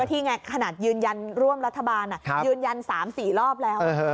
ที่ไงขนาดยืนยันร่วมรัฐบาลยืนยัน๓๔รอบแล้ว